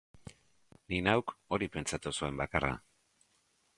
Ni nauk hori pentsatu zuen bakarra.